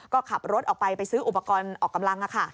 ก็ขับรถออกไปไปซื้ออุปกรณ์ออกกำลัง